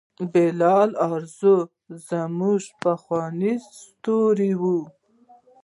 بلال ارزو زموږ پخوانی ستوری و.